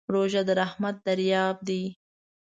روژه د رحمت دریاب دی.